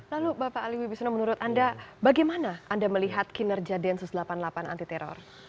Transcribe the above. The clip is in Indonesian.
lalu bapak ali wibisono menurut anda bagaimana anda melihat kinerja densus delapan puluh delapan anti teror